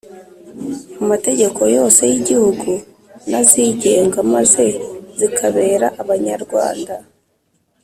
amategeko yose y'igihugu n'azigenga, maze zikabera abanyarwanda